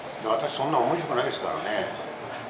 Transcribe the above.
そんなに面白くないですからね。